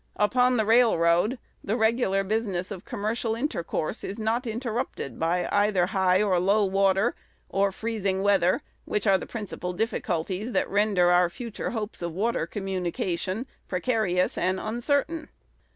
Upon the railroad the regular progress of commercial intercourse is not interrupted by either high or low water, or freezing weather, which are the principal difficulties that render our future hopes of water communication precarious and uncertain.